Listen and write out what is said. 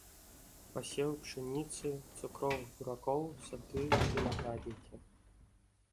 Пасевы пшаніцы, цукровых буракоў, сады, вінаграднікі.